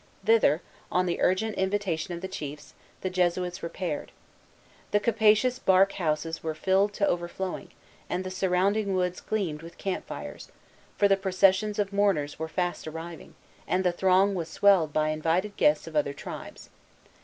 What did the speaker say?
Thither, on the urgent invitation of the chiefs, the Jesuits repaired. The capacious bark houses were filled to overflowing, and the surrounding woods gleamed with camp fires: for the processions of mourners were fast arriving, and the throng was swelled by invited guests of other tribes.